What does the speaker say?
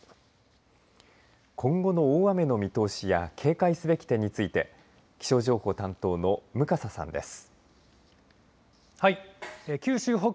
今後の大雨の見通しや警戒すべき点について気象情報担当の向笠さんです。